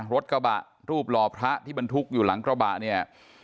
รถกระบะรูปหล่อพระที่บรรทุกอยู่หลังกระบะเนี่ย